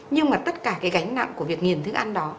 nhưng mà tất cả cái gánh nặng của việc nghiền thức ăn đó